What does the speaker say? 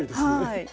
はい。